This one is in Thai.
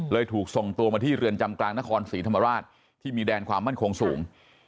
ถูกส่งตัวมาที่เรือนจำกลางนครศรีธรรมราชที่มีแดนความมั่นคงสูง